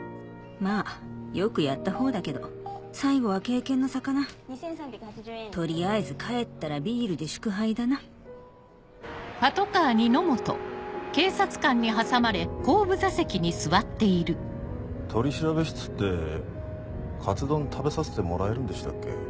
まぁよくやった方だけど最後は経験の差かな取りあえず帰ったらビールで祝杯だな取調室ってカツ丼食べさせてもらえるんでしたっけ？